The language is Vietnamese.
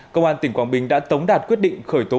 công an tỉnh quảng bình đã tống đạt quyết định khởi tổn thương